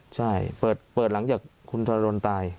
ใช่เปิดหลังจากคุณทรดนตาย